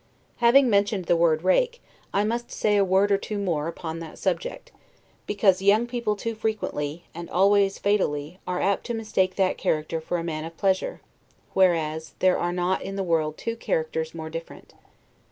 Having mentioned the word rake, I must say a word or two more on that subject, because young people too frequently, and always fatally, are apt to mistake that character for that of a man of pleasure; whereas, there are not in the world two characters more different.